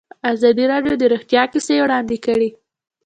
ازادي راډیو د روغتیا کیسې وړاندې کړي.